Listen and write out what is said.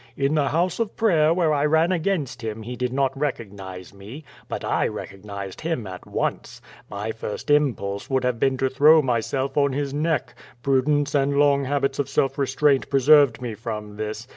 In the house of prayer where I ran against him he did not recognize me. But I recognized him at once. My first impulse would have been to throw myself on his neck. Prudence and long habits of self restraint pre served me from this.